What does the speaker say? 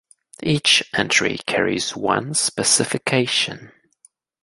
Each entry carries one specification.